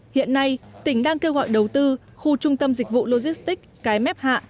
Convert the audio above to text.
hiện nay tỉnh đang kêu gọi đầu tư khu trung tâm dịch vụ logistics cái mép hạ